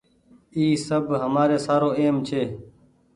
اي سب همآري سارو اهم ڇي۔